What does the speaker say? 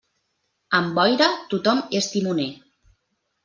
Amb boira, tothom és timoner.